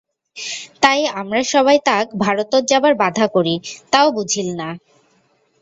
তাই আমরা সবাই তাক ভারোতোত যাবার বাধা করি তাও বুঝিল না।